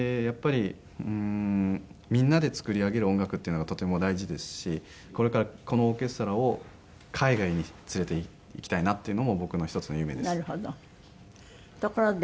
やっぱりみんなで作り上げる音楽っていうのがとても大事ですしこれからこのオーケストラを海外に連れていきたいなっていうのも僕の一つの夢です。